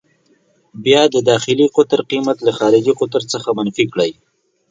بیا د داخلي قطر قېمت له خارجي قطر څخه منفي کړئ.